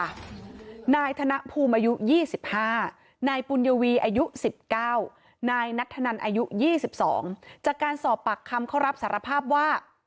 นายธนภูมิอายุ๒๕นายปุญวีอายุ๑๙นายนัทธนันอายุ๒๒จากการสอบปากคำเขารับสารภาพว่า